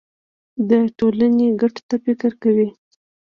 د ټولنې ګټو ته فکر کوي.